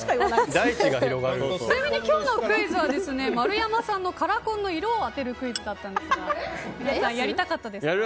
ちなみに今日のクイズは丸山さんのカラコンの色を当てるクイズだったんですが皆さん、やりたかったですか？